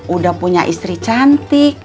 udah punya istri cantik